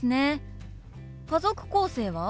家族構成は？